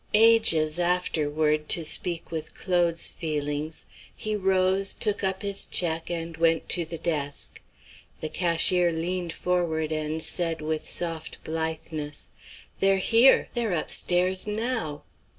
Ages afterward to speak with Claude's feelings he rose, took up his check, and went to the desk. The cashier leaned forward and said with soft blitheness: "They're here. They're up stairs now."